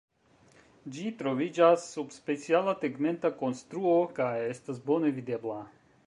Ĝi troviĝas sub speciala tegmenta konstruo kaj estas bone videbla.